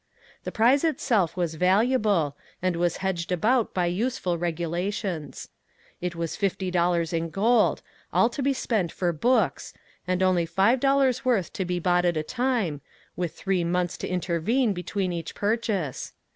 The prize itself was valuable, and was hedged about by useful regulations. It was $50 in gold, all 359 MAG AND MARGARET to be spent for books, and only $5 worth to be bought at a time, with three months to inter vene between each purchase.